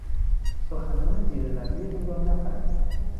سخنان زیر لبی او را نفهمیدم.